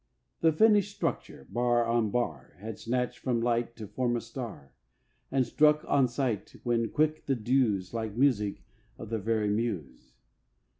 The finished structure, bar on bar, Had snatched from light to form a star, And struck on sight, when quick with dews, Like music of the very Muse.